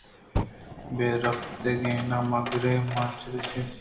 پہ رفتگیناں مہ گرئے ءُ مہ ریچ ارس